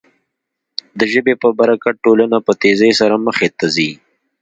د ژبې په برکت ټولنه په تېزۍ سره مخ ته ځي.